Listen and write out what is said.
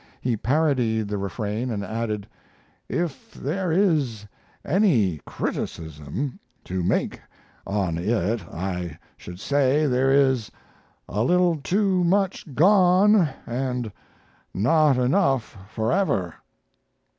He parodied the refrain and added, "If there is any criticism to make on it I should say there is a little too much 'gone' and not enough 'forever.'"